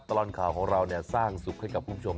ตลอดข่าวของเราสร้างสุขให้กับคุณผู้ชม